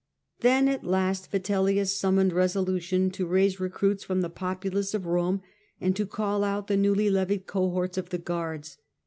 Then, at last, Vitellius summoned reso lution to raise recruits from the populace of Rome, and to call out the newly levied cohorts of the guards.